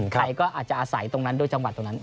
ใครก็อาจจะอาศัยตรงนั้นด้วยจังหวัดตรงนั้น